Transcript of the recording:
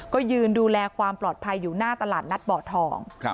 ก็ยืนดูแลความปลอดภัยอยู่หน้าตลาดนัดบ่อทอง